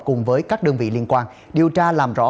cùng với các đơn vị liên quan điều tra làm rõ